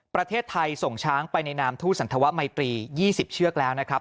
ประเทศไทยส่งช้างไปในนามทู่สันธวะไมตรี๒๐เชือกแล้วนะครับ